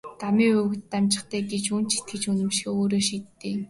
Дамын үг дамжигтай гэж юунд итгэж үнэмшихээ өөрөө шийд дээ.